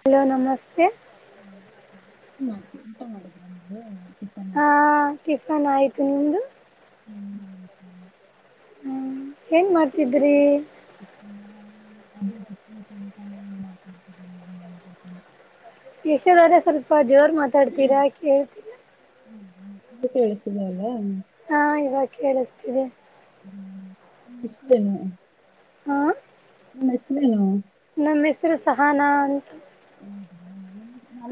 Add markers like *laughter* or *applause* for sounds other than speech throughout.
Hello ನಮಸ್ತೆ ಮಾಡ್ತ ಎಂತ ಮಾಡಿದ್ರ ನಗೆ *inaudible* ಹಾ ಟಿಫನ್ ಆಯ್ತು ನಿಮ್ದು ಹ್ಮ *inaudible* ಹ್ಮ ಏನ್ ಮಾಡ್ತಿದ್ರಿ ಅಲ್ಲ ಸ *inaudible* ಹ್ಞ ಹ್ಞ *inaudible* ಯಶೋಧೊರೆ ಸ್ವಲ್ಪ ಜೋರ್ ಮಾತಾಡ್ತೀರಾ ಕೇಳ್ತೀಲಾ ಹ್ಮಂತ ಕೇಳತಿದ ಅಲ್ಲ ಹಾ ಇವಾಗ ಕೇಳುಸ್ತಿದೇ ಹ್ಮೇ *inaudible* ಹ್ಮ ನಿಮ್ ಹೆಸರೇನು ನಮ್ಮ್ ಹೆಸರು ಸಹಾನ ಅಂತ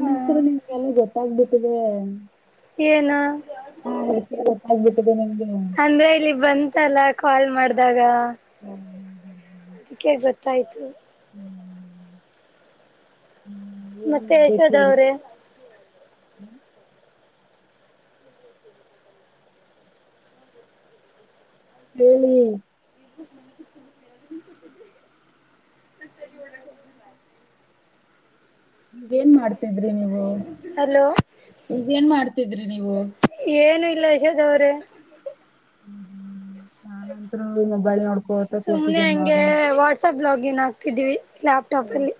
ಹಾ ನಿಮ್ಗೆಲ್ಲ ಗೊತ್ತಾಗಬಿಟ್ಟಿದೆ ಏನು ಹಾ ಹೆ ಗಬಿಟ್ಟಿದೆ ನಿಮ್ಗೆ ಅಂದ್ರೆ ಇಲ್ಲಿ ಬಂತಲ್ಲ ಕಾಲ್ ಮಾಡ್ದಾಗ ಹ್ಮ್ ಗತ್ತ ಆಯ್ತು ಹ್ಮ್, ಮತ್ತೆ ಯಶೋದ ಅವ್ರೆ ಹ್ಮ *inaudible* ಹೇಳಿ ಕುನ *inaudible* ನೀವೇನ್ ಮಾಡ್ತಿದ್ರಿ ನೀವು ಹಲೋ ನೀವ ನ್ ಮಾಡ್ತಿದ್ರಿ ನೀವು ಇಲ್ಲಾ ಯಶೋಧ ಅವರೇ ಹ್ಮ ನಾನ್ಂತರು ಮೊಬೈಲ್ ನೋಡ್ಕ ಸುಮ್ನೆ ಹಂಗೆ ವಾಟ್ಸಪ್ ಬ್ಲಾಗಕ್ ಏನ್ ಹಕ್ತಿದ್ದೀವಿ ಲ್ಯಾಪ್ಟಾಪ್ ಅಲ್ಲಿ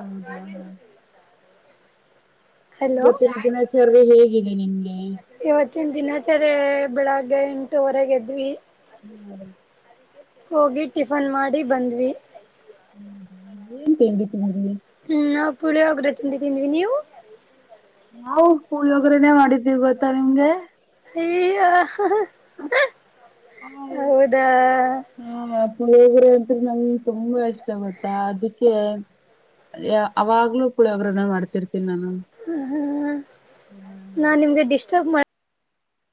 ಹೌದಾ ಹಲೋ ಇವತ್ತಿನ ದಿನಾಚರಣೆ ಹೇಗಿದೆ ನಿಮಗೆ ಇವತ್ತಿನ ದಿನಾಚರಿ ಬೆಳಗ್ಗೆ ಎಂಟವರೆಗೆ ಇದ್ವಿ ಹ್ಮ ಹೋಗಿ ಟಿಫನ್ ಮಾಡಿ ಬಂದ್ವಿ ಹ್ಮ ಹ ಏನ್ ತಿಂಡಿ ತಿಂದ್ರಿ? ಹ್ಮ್ ನಾವು ಪುಳಿಹೊಗರೆ ತಿಂದ್ವಿ ನೀವು ನಾವು ಪೂಳೊಗ್ರನೇ ಮಾಡಿದ್ದೀವಿ ಗೊತ್ತಾ ನಿಮ್ಗೆ ಆಯೋ ಹಾ ಹ್ಮ ಪುಳಿಯೋಗರೆ ಅಂದ್ರೆ ನಂಗೆ ತುಂಬಾ ಇಷ್ಟ ಗೊತ್ತಾ ಅದಕ್ಕೆ ಅವಾಗ್ಲೂ ಪುಳಿಯೋಗರೆ ಮಾಡ್ತಿರ್ತಾರೆ ಹ ಹಾ ನಾ ನಿಮ್ಗೆ ಡಿಸ್ಟರ್ಬ್ ಮಾಡ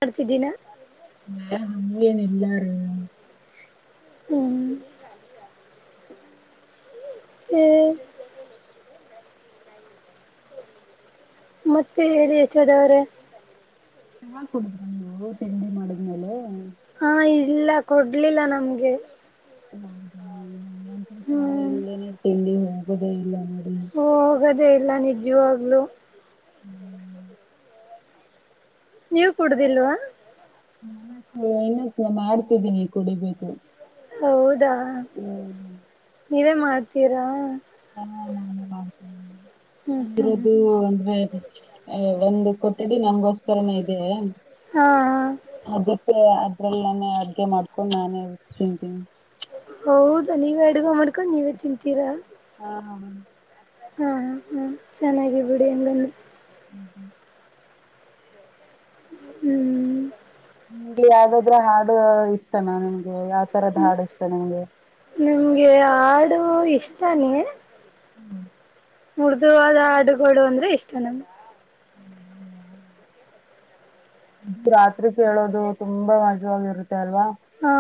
ಮಾಡ್ತಿದ್ದೀನ ನ ನಮ್ಮಿಯನ್ ಎಲ್ಲಾರ ಹ್ಮ ಹ್ಮ ಮತ್ತೆ ಹೇಳಿ ಯಶೋದವ್ರೇ ಚಾಹಾ ಕುಡಿದ್ರ ನೀವು ತಿಂಡಿ ಮಾಡಿದ್ಮೇಲೆ ಹಾ ಇಲ್ಲ ಕೊಡ್ಲಿಲ್ಲ ನಮ್ಗೆ ಚಾ ಹ್ಮ್ ಇಲ್ಲ ನ ತಿಲ್ಲಿ ಹೋಗೋದೇ ಇಲ್ಲ ನೋಡಿ. ಹ ಹೋಗದೇ ಇಲ್ಲ ನಿಜವಾಗ್ಲುೂ ಹ್ಮ್ ನೀವು ಕುಡುದಿಲ್ವಾ ನ ಇನ್ನ ನ ಮಾಡ್ತಿದ್ದೀನಿ ಕುಡಿಬೇಕು ಹೌದಾ ಹ್ಮ್ ನೀವೇ ಮಾಡ್ತೀರಾ ಹ್ಮ್ ಹ್ಮ್ ಆರೋದು ಅಂದ್ರೆ ಒಂದು ಕೊಠಡಿ ನಂಗೋಸ್ಕರನ ಇದೆ ಹಾ ಮತ್ತೆ ಅದ್ರಲ್ಲಾನೇ ಅಡ್ಗೆ ಮಾಡ್ಕೊಂಡು ನಾನೇ ಹ ತಿಂತೀನಿ ಹೌದಾ ನೀವೇ ಅಡುಗ ಮಾಡ್ಕೊಂಡು ನೀವೇ ತಿಂತೀರಾ ಹಾ ಹ ಹಾ ಹ್ಮ ಚೆನ್ನಾಗಿಬಿಡಿ ಹಂಗಂದು ಹ್ಮ್ ನಿಮ್ ಯಾವ್ದಾದ್ರ ಹಾಡು ಇಷ್ಟನಾ ನಿಮ್ಗೆ ಯಾವ್ ತರದ್ ಹಾಡು ಇಷ್ಟ ನಿಮ್ಗೆ ನಂಗೆ ಹಾಡು ಇಷ್ಟನೇ ಹ್ಮ್ ಉಡ್ದಾದ ಹಾಡುಗಳು ಅಂದ್ರೆ ಇಷ್ಟ ನಮಗೆ. ರಾತ್ರಿ ಕೇಳೋದು ತುಂಬಾ ಮಜವಾಗಿರುತ್ತೆ ಅಲ್ವಾ ಹಾ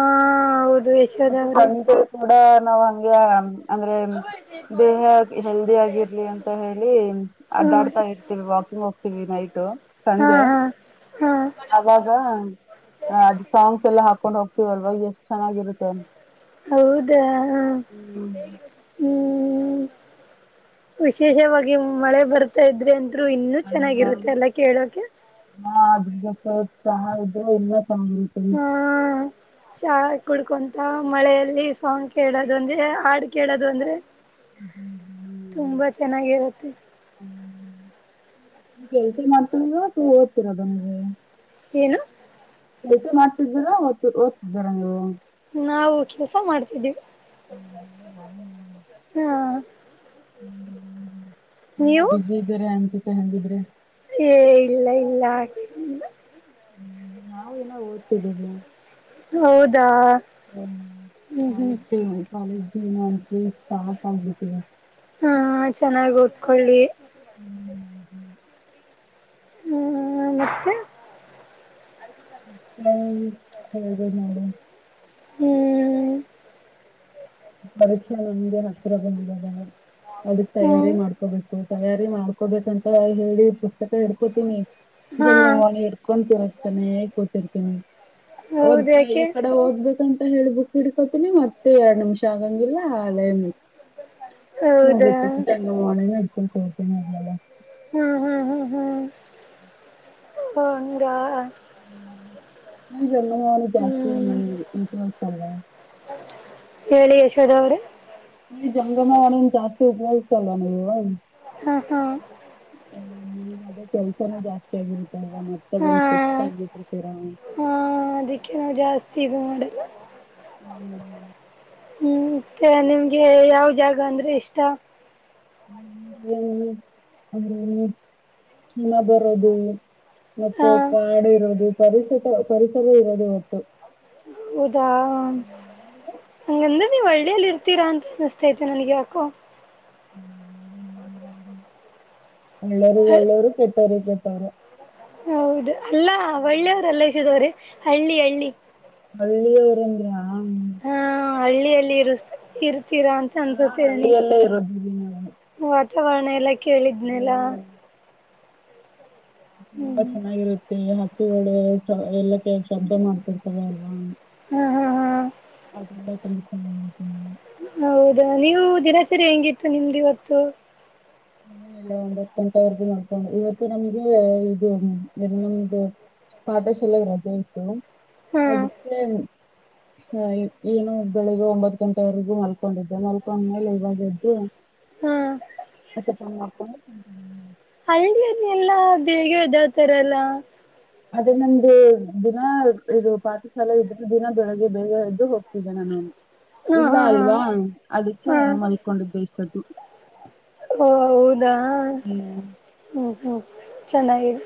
ಹೌದು ಯಶೋದ ಅವ್ರೇ ಮತ್ತೆ ಕೂಡ ನಾವ್ ಹಂಗಗೆ ಅಂದ್ರೆ ದೇಹ ಹೆಲ್ದಿ ಆಗಿರ್ಲಿ ಅಂತ ಹೇಳಿ ಹಾ ಅಡ್ಡಾಡ್ತಾ ಇರ್ತಿವಿ ವಾಕಿಂಗ್ ನೈಟ್ ಹಾ ಸಂಜೆ ಹಾ ಹಾ ಆವಾಗ ಅದು ಸಾಂಗ್ಸ್ ಎಲ್ಲ ಹಾಕ ಹಕೊಂಡ್ ಹೋಗ್ತತಿವಲ್ವಾಗ ಎಷ್ಟು ಚೆನ್ನಾಗಿರುತ್ತೆ ಹೌದಾ ಹ ಹ್ಮ್ ಹ್ಮ್ ವಿಶೇಷವಾಗಿ ಮಳೆ ಬರ್ತಾ ಇದ್ರೆ ಅಂತ ರು ಇನ್ನುೂ ಚೆನ್ನಾಗಿರುತ್ತೆ ಎಲ್ಲ ಕೇಳೋಕೆ. ಹ ಅದ ಜತೆ ಚ ಇದು ಎಲ್ಲ ಸಂಗತರಿ. ಶಾ ಕುಡ್ಕೊಂತ ಮಳೆಯಲ್ಲಿ ಸಾಂಗ್ ಕೇಳೋದು ಅಂದ್ರೆ ಹಾಡ್ ಕೇಳೋದು ಒಂದೇ. ಹ್ಮ್ ತುಂಬಾ ಚೆನ್ನಾಗಿರುತ್ತೆ. ಹ್ಮ ಕೆಳ್ತ ಮಾಡ್ತಳ ಓದ್ತಿೀರದುಮಗೆ. ಏನು ಹೆಚ್ಚ ಮಾಡ್ತಿದ್ದೀರಾ ಓದ್ತ ಓದ್ತಿದ್ದೀರ ನೀವು. ನಾವು ಕೆಲ್ಸ ಮಾಡ್ತಿದ್ದೀವಿ. ಹ್ಮ್ ಹ್ಮ್ *inaudible* ಹ ತುಂಬಾ ನೀವು ಬಿಸಿ ಇದ್ದಾರೆ ಅನ್ಸುತ್ತ ಹೇಂಗಿದ್ರೆ. ಏ ಇಲ್ಲ ಇಲ್ಲ. ಹ್ಮ ಯಾವವು ನ ಓದ್ತಿದ್ದೀವಿ. ಹೌದಾ ಹ್ಮ್ ಹ್ಮ್ ಹ್ಮ್ ಮತ್ತೆ ಯಾವತ್ತು ಆಗುತ್ತ ಹ್ಮ ಚೆನ್ನಾಗಿ ಓದ್ಕೊಳ್ಳಿ. ಹ್ಮ್ ಹ *inaudible* ಹ್ಮ ಮತ್ತೆ. ಹೌದು ಹೇಳಿದೆ ಮಾಡಳ ಹ್ಮ್ ಪರಕ್ಷಾ ನಮಗೆ ಹತ್ತಿರದೆ ಅದಕ್ ತಯಾರಿ ಹ್ಮ್ ಮಾಡ್ಕೋಬೇಕು. ತಯಾರಿ ಮಾಡ್ಕೊಬೇಕಂತ ಹೇಳಿ ಪುಸ್ತಕ ಹಿಡ್ಕೋತೀನಿ. ಹಾ ಜಂಗ ಮಾಡಳಿ ಎಡ್ಕೊಂಡು ತರತಾನನೆ ಕೂತರ್ತೇನೆ. ದ್ ಹೌದ ಈ ಯಾಕೆ ಕಡೆ ಹೋಗ್ಬೇಕಂತ ಹೇಳ್ಬು ಹಿಡ್ಕೋತೀನಿ ಮತ್ತೆ ಎರಡ್ ನಿಮಿಷ. ಶಾಗಂಗಿರಿಲ್ಲ ಹಲ ಹೋಗ ಹೌದಾ ಚಂಗ ಮಾಡ. ಸತನೆಲ್ಲ ಅದ ಹ್ಮ್ ಹ್ಮ್ ಹ್ಮ್ ಹ್ಮ್ ಹಂಗ ನೀ ಜಂಗಮಳಿ ಜಾಸ್ತಿ ಹ್ಮ್ ಉಪಯೋಗತಲ್ಲ. ಹೇಳಿ ಯಶೋದವ್ರ ಈ ಜಂಗಮ ಒಣನ್ ಜಾಸ್ತಿ ಉಪಯೋಗ್ತಲ್ಲ ನೀವು. ಹಾ ಹಾ ಹ್ಮ ನೀಗಾದದೇ ಕೆಲ್ಸಾನೂ ಜಾಸ್ತಿ ಆಗಿರುತ್ತೆ. ಲ್ಲ ಮತ್ತೆ ಹಾ ಬಂದು್ ಸುಸ್ತ ಆಗ್ಬಿಟ್ಟ್ರತೀರ. ಸಿವೋಡ್ ಹ್ಮ್ ಹ್ಮ ಹ್ಮ್ ಮತ್ತೆ ನಿಮ್ಗೆ ಯಾವ ಜಾಗ ಅಂದ್ರೆ ಇಷ್ಟ. ಹ ಹಿಮಾ ಬರೋದು. ಹ ಮತ್ತೆ ಕಾಡು ಇರೋದು ಪರಿಸ ಪರಿಸರ ಇರೋದು ಒಟ್ಟು. ಹೌದಾ ಅ ಎಲ್ಲಿ ನೀ ಒಳ್ಳೇಲ್ಲಿ ಇರ್ತೀರಾ ಅಂತ ಅನ್ನಿಸ್ತತೆ ನನ್ಗೆ ಯಾಕೋ. ಹ್ಮ್ *inaudible* ಒಳ್ಳರು ಒಳ್ಳೋರು ಕೆಟ್ಟವರು ಕೆಟ್ಟರು. ಹೌದು ಅಲ್ಲಾ ಒಳ್ಳೆಯವ್ರಲ್ಲಸಿದವ್ರೆ ಹಳ್ಳಿ ಹಳ್ಳಿ. ಹಳ್ಳಿಯೂರಂದ್ರ ಹಾ ಹಳ್ಳಿಯಲ್ಲಿ ಇರು ಇರ್ ತೀರಾ ಅಂತ ಆ ಅನ್ಸುತ್ತೇರ ನೀ ಹಳ್ಳಿಯಲ್ಲೇ ಇರೋದಿವಿ ನಾವು ಚವಣ ಎಲ್ಲ ಕೇಳಿದ್ನೆಲ್ಲ. ಹ್ಮ್. ತುಂಬಾ ಚೆನ್ನಾಗಿರುತ್ತೆ ಹಕ್ಕಿಗಳು ಎಲ್ಲ ಕೆ ಶಬ್ದ ಮಾಡ್ತಿರ್ತವೆ ಅಲ್ ಹ್ಮ್ ಹ್ಮ್ ಹ್ಮ್ *inaudible* ಹೌದಾ ನೀವು ದಿನಾಚರಿ ಹೆಂಗಿತ್ತು ನಿಮ್ದು ಇವತ್ತು ಇಲ್ಲ ಇಲ್ಲ ಒಂದ್ತ್ತು ಗಂಟೆವರೆಗ ನೋಡ್ಕೊಂಡು ಇವತ್ತು ನಮ್ಗೆ ಇದು ನಮ್ದು ಪಾಠಶಾಲೆ ರಜೆ ಇತತ್ತು ಹಾ ಅದಕ್ಕೆ ಹ ಏನು ಬೆಳಿಗ್ಗೆ ಒಂಬತ್ ಗಂಟೆವರೆಗೂ ಮಲ್ಕೊಂಡಿದ್ದೆ ಮಲ್ಕೊಂಡ್ಮೇಲೆ ಇವಾಗ ಎದ್ದು ಹ್ಮ್ ಮತ್ತೆ ಫೋನ್ ಮಾಡ್ಕೊಂಡು ಹಳ್ಳಿಯನ್ನ ಎಲ್ಲಾ ಬೇಗ ಇದಾವತಾರಲ್ಲ ಅದೇ ನಮ್ದ ದಿನ ಇದು ಪಾಠಶಾಲೆ ಇದ್ರೆ ದಿನ ಬೆಳಗ್ಗೆ ಬೇಗ ಎದ್ದು ಹೋಗ್ತಿದ್ದೆ ನಾನು ಹಾ ಇಲ್ಲ ಹಾ ಹಾ ಅಲ್ವಾ ಅದಕ್ಕೆ ಹಾ ಮಲ್ಕೊಂಡಿದ್ದು ಇಷ್ಟ್ದು ಓ ಹೌದಾ ಹ್ಮ್ ಹ್ಮ್ ಹ್ಮ್ ಚೆನ್ನಾಗಿದೆ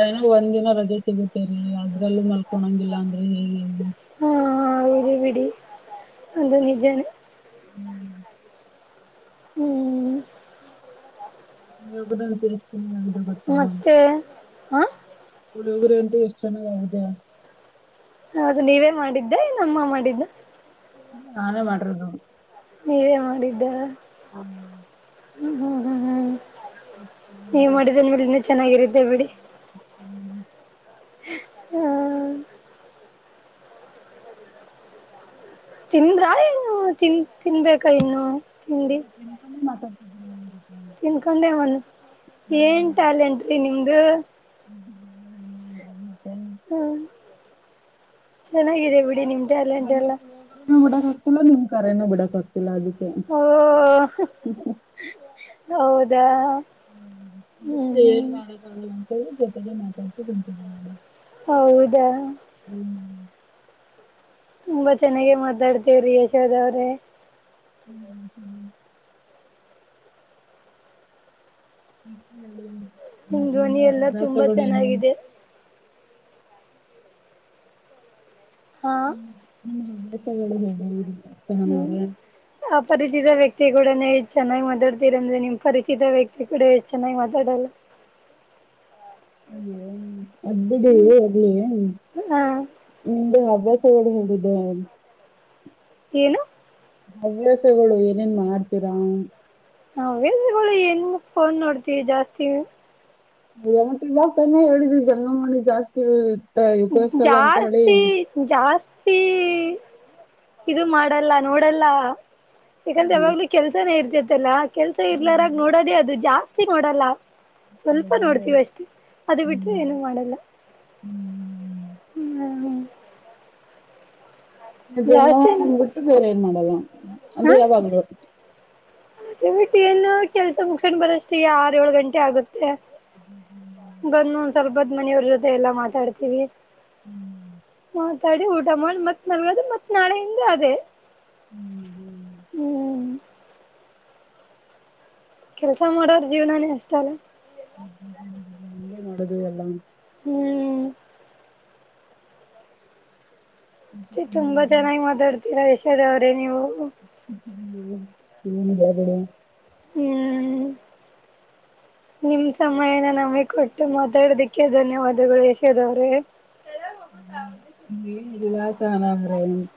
ನಾಗ ಒಂದ್ ದಿನ ರಜೆ ಸಿಗುತ್ತೇರಿ ಅದ್ರಲ್ಲೂ ಮಲ್ಕೊಂಗಿಲ್ಲ ಅಂದ್ರೆ ಹೇಗೆ ಹಾ ವಿಡಿ ಬಿಡಿ ಅದು ನಿಜಾನೆ ಹ್ಮ್ ಹ್ಮ್ ನೀಗದಾನರಿ ಮತ್ತೆ ಹಾ ನಡಿದ್ರೆ ಅಂತ ಎಷ್ಟು ಚೆನ್ನಾಗಾಗಿದೆಯ ಹೌದು ನೀವೇ ಮಾಡಿದ್ದ ನಮ್ಮ ಮಾಡಿದ್ದ ನಾನೇ ಮಾಡರದು ನೀವೇ ಮಾಡಿದ್ದ ಹ್ಮ ಹ್ಮ್ ಹ್ಮ್ ಹ್ಮ್ ಹ್ಮ್ ಹ ಚೆನ್ನಾಗಿರುದ್ದೆ ಬಿಡಿ ಹ್ಮ ತಿಂದ್ರಾ ಏನು ತಿನ್ ತಿನ್ಬೇಕಾ ಇನ್ನು ತಿಂಡಿ ಇ ತಿನ್ಕೊಂಡೆ ಮಾತಾಡ್ ತಿನ್ಕೊಂಡೆ ಒಂದು ಏನ್ ಹ್ಮ್. ಟ್ಯಾಲೆಂಟ್ ನಿಮ್ದು ಹ್ಮ್. ಮತ್ತೆ ಹ್ಮ ಚೆನ್ನಾಗಿದೆ ಬಿಡಿ ನಿಮ್ದ ನಂಗೆ ಪುಳಿಯ ಬಿಡಕ್ ಆಗ್ತಿಲ್ಲ ನಿಮ್ ಕರನ ಬಿಡಕ್ ಆಗ್ತಲ್ಲ ಇಲ್ಲ ಅದಕ್ಕೆ ಓ ಹೌದಾ ಹ್ಮ್ ಹ್ಮ ಏನ್ ಹ್ಮ್ ಮಾಡಕ್ ಆಗಲ್ಲ ಅಂತೇಳಿ ಜೊತೆಗೆ ಮಾತಾಡ್ತಿ ತಿಂತೀನೆ ನ ಹೌದಾ ತುಂಬಾ ಚೆನ್ನಾಗ ಮಾತಾಡ್ತೇವ್ರಿ ಯಶೋದವ್ರೆ ಹ್ಮ್ ಹ್ಮ್ ಹೇಳ ನಿಮ್ ನದು ಧ್ವನಿ ಎಲ್ಲ ತುಂಬಾ ಅಭ್ಯಾಸಗೇನು ಚೆನ್ನಾಗಿದೆ ಹಾ ಹ್ಮೇಟಗಳು ಹೇಳನ್ರ ಪರಿಚಿತ ವ್ಯಕ್ತಿ ಕೂಡ ಚೆನ್ನಾಗಿ ಮಾತಾಡ್ತಿರ ಅಂದ್ರೆ ನಿಮ್ ಪರಿಚಿತ ವ್ಯಕ್ತಿ ಕೂಡ ಹೆ ಚೆನ್ನಾಗಿ ಮಾತಾಡಲ್ಲ *inaudible* ಹ್ಮ್ ಹಾ *unintelligible* *unintelligible* ಏನು ಹವ್ಯಾಸಗಳು ಏನೇನ್ ಮಾಡ್ತೀರಾ *unintelligible* ಏನ್ ಫೋನ್ ನೋಡ್ತಿವಿ ಜಾಸ್ತಿ ಹೌದಾ ಮತ್ತೆ ಇವಾಗ ತಾನೇ ಹೇಳಿದಿ ಜಂಗಮಣಿ ಜಾಸ್ತಿ ತ- ಉಪಯೋಗಿಸಲ್ಲ ಅಂತ ಹೇಳಿ ಜಾಸ್ತಿ ಜಾಸ್ತಿ ಇದು ಮಾಡಲ್ಲ ನೋಡಲ್ಲ ಯಾಕಂದ್ರೆ ಹ್ಮ್. ಯಾವಾಗ್ಲೂ ಕೆಲ್ಸನೇ ಇರ್ತತ್ತಲ್ಲ ಕೆಲ್ಸ ಹ್ಮ್. ಇರ್ಲಾರಾಗ ನೋಡೋದೇ ಅದು ಜಾಸ್ತಿ ಮಾಡಲ್ಲ ಸ್ವಲ್ಪ ಹಂಗೆ. ನೋಡ್ತೀವ ಅಷ್ಟೇ ಅದು ಬಿಟ್ರೆ ಹ್ಮ್. ಏನು ಮಾಡಲ್ಲ ಹ್ಮ್. ಹ್ಮ. ಅದೇನೋ ಬಿಟ್ಟು ಬೇರೆ ಏನ್ ಮಾಡಲ್ಲ ಅಂದ್ರ ಯಾವಾಗಲ. ಡ್ಯೂಟಿ ಎಲ್ಲಾ ಕೆಲಸ ಮುಗಸಕೊಂಡು ಬರವಸ್ಟಿಗೆ ಆರ ಏಳು ಗಂಟೆ ಆಗುತ್ತೆ. ಹ್ಮ ಹ್ಮ್. ಬಂದು ಒಂದ್ ಸ್ವಲ್ಪ ಒತ್ತು ಮನಿಯವರ ಜೊತೆ ಎಲ್ಲಾ ಮಾತಾಡ್ತಿವಿ. ಹ್ಮ್. ಮಾತಾಡಿ ಊಟ ಮಾಡಿ ಮತ್ ಮಲಗೋದು ಮತ್ ನಾಳೆಯಿಂದ ಅದೇ. ಹ್ಮ್. ಹ್ಮ್. ಕೆಲಸ ಮಾಡೋರ್ ಜೀವನಾನೇ ಅಷ್ಟ ಅಲ್ಲ. ಹಗೆ ಮಾಡುದು ಎಲ್ಲಾ. ಹ್ಮ್. ಮತ್ತೆ ತುಂಬಾ ಚೆನ್ನಾಗಿ ಮಾತಾಡ್ತೀರಾ ಯಶಾದ ಅವ್ರೇ ನೀವು. ಹ್ಮ ಹ ಬಿಡೆ. ಹ್ಮ್. *inaudible* ನಿಮ ಸಮಯನ ನಮಗೆ ಕೊಟ್ಟು ಮಾತಾಡದಿಕ್ಕೆ ಧನ್ಯವಾದಗಳು ಯಶೋದವರೇ. ಏನಿಲ್ಲ ಎಲ್ಲಾ ಚಾನ.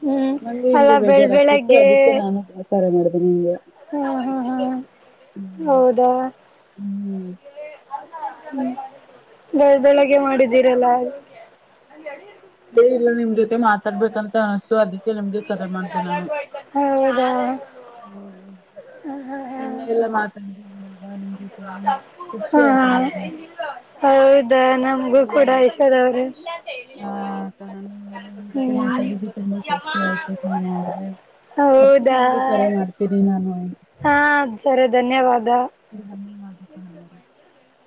ಹ್ಮ್ ಒಂದು ಅಲ್ಲ ಹಿಂಗೆ ಬೆಳ್ ಬೇಜಾರ ಆಕತಿತ್ತು ಬೆಳಗ್ಗೆ ಅದಕ್ಕೆ ನಾನು ರಿಫರ್ ಮಾಡಿದೆೇನ ನಿಂಗೆ. ಹ್ಮ ಹ್ಮ್ಮ್ ಹ್ಮ್ಮ್ ಹೌದ. ಹ್ಮ್ ಹ್ಮ ಬೆಳ ಬೆಳಗೆ ಮಾಡಿದ್ದೀರಲ್ಲ. ಏನಿಲ್ಲ ನಿಮ್ ಜೊತೆ ಮಾತಾಡ ಬೇಕು ಅಂತ ಅನಸ್ತು ಅದಕ್ಕೆ ನಿಮ್. *unintelligible* ಹೌದ. ಹ್ಮ್ ಹಾ ನಿನ್ನೆ ಹಾ ಎಲ್ಲ ಮಾತಾಡ್ತೀನಿ ಅಲ್ವಾ ನಿಮಗೆ. ಕುಸಿ ಹಾ ಆಯ್ತು ನನಗೆ ಹೌದಾ ನಮಗೂ ಕೂಡ *unintelligible* ಯಶೋದ ಅವ್ರೆ ಹಾ ಸಾನ ನಿನ್ ಜೊತೆ ಹ್ಮ್ ಮಾತಾಡಿದು ತುಂಬಾ ಖುಶಿ ಆಯ್ತು ಸಾನ ಅವ. ಮತ್ತೆ ಹೌದಾ ನಿಮಗೆ ಕರೆ ಮಾಡ್ತೀನಿ ನಾನು. ಹಾ ಸರಿ ಧನ್ಯವಾದ. *unintelligible*